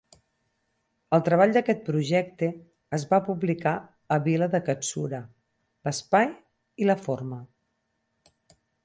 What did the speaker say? El treball d'aquest projecte es va publicar a Vila de Katsura: l'espai i la forma.